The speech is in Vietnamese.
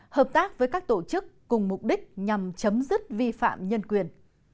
hợp tác với các tổ chức cùng mục đích nhằm chấm dứt vi phạm nhân quyền